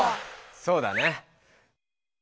そうだね。